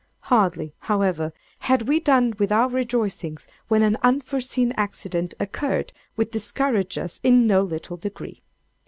Hardly, however, had we done with our rejoicings, when an unforeseen accident occurred which discouraged us in no little degree.